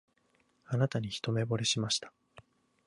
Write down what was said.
あなたに一目ぼれしました